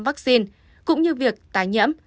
vaccine cũng như việc tái nhiễm